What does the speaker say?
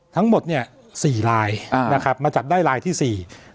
ทั้งหมด๔ลายมาจับได้ลายที่๔